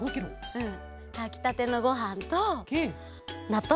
うん。